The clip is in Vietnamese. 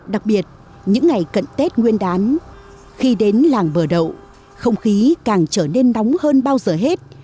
đặc biệt những ngày cận tết nguyên đán khi đến làng bờ đậu không khí càng trở nên nóng hơn bao giờ hết